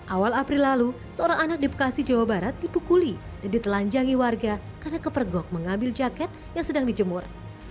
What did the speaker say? awal april lalu seorang anak di bekasi jawa barat dipukuli dan ditelanjangi warga karena kepergok mengambil jaket yang sedang dijemur